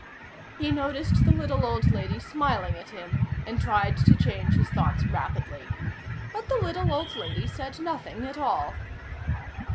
He noticed the little old lady smiling at him, and tried to change his thoughts rapidly. But the little old lady said nothing at all.